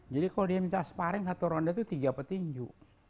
jadi kalau pengem herbal satu perian tu tiga petinju